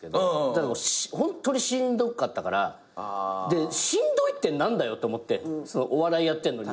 ホントにしんどかったからでしんどいって何だよと思ってお笑いやってるのに。